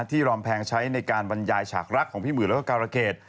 รอมแพงใช้ในการบรรยายฉากรักของพี่หมื่นแล้วก็การะเกด